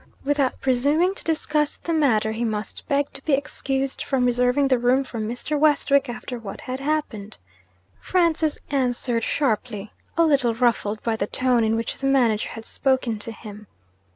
Without presuming to discuss the matter, he must beg to be excused from reserving the room for Mr. Westwick after what had happened. Francis answered sharply, a little ruffled by the tone in which the manager had spoken to him.